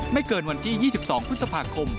ไม่เกินวันที่๒๒พศพ๒๕๖๒